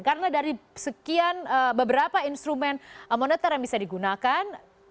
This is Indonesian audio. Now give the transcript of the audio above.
karena dari sekian beberapa instrumen monetar yang bisa digunakan